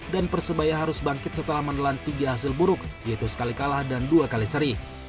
dan persebaya harus bangkit setelah menelan tiga hasil buruk yaitu satu kali kalah dan dua kali seri